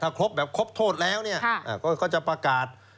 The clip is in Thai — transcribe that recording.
ครบแบบครบโทษแล้วเนี่ยก็จะประกาศ